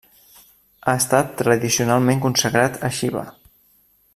Ha estat tradicionalment consagrat a Xiva.